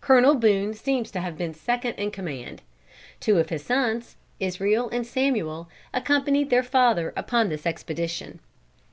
Colonel Boone seems to have been second in command. Two of his sons, Israel and Samuel, accompanied their father upon this expedition.